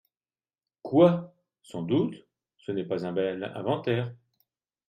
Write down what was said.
Quoi, sans doute ? ce n’est pas un bel inventaire ?